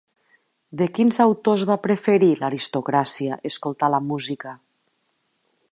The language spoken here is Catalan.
De quins autors va preferir l'aristocràcia escoltar la música?